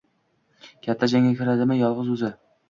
Katta jangga kiradimi yolg’iz o’zi?